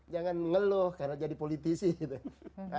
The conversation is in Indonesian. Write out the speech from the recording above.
jangan mengeluh karena jadi politisi gitu